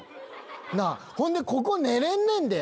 なあほんでここ寝れんねんで。